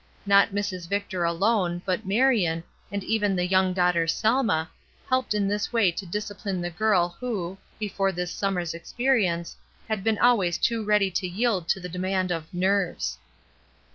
Not Mrs. Victor alone, but Marian, and even the young daughter Selma, helped in this way to discipline the girl who, DISCIPLINE 245 before this summer's experience, had been always too ready to yield to the demand of "nerves."